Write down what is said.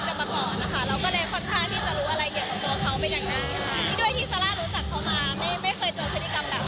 เราเป็นเพื่อนกันมาก่อนนะคะเราก็เลยค่อนข้างที่จะรู้อะไรเกี่ยวของเขาไปอย่างนั้น